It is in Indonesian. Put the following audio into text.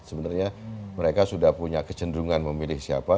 sebenarnya mereka sudah punya kecenderungan memilih siapa